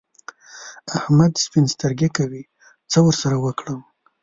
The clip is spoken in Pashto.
احمد سپين سترګي کوي؛ څه ور سره وکړم؟!